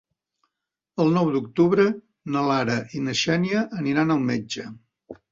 El nou d'octubre na Lara i na Xènia aniran al metge.